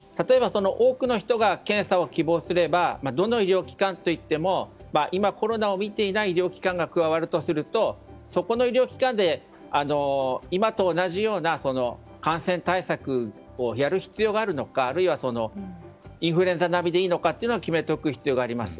そうなった場合に例えば、多くの人が検査を希望すればどの医療機関でもといっても今コロナを診ていない医療機関が加わったとするとそこの医療機関で今と同じような感染対策をやる必要があるのかあるいはインフルエンザ並みでいいのかというのは決めておく必要があります。